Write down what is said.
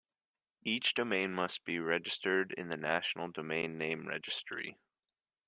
Each domain must be registered in the National Domain Name Registry.